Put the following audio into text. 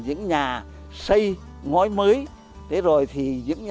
những nhà xây ngói mới